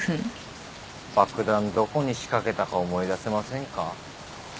どこに仕掛けたか思い出せませんか？